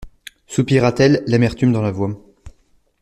Soupira-t-elle l'amertume dans la voix.